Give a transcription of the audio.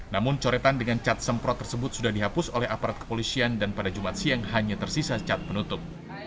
namun coretan dengan cat semprot tersebut sudah dihapus oleh aparat kepolisian dan pada jumat siang hanya tersisa cat penutup